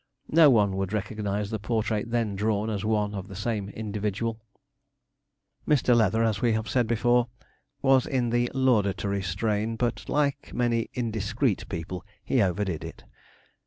No one would recognize the portrait then drawn as one of the same individual. Mr. Leather, as we said before, was in the laudatory strain, but, like many indiscreet people, he overdid it.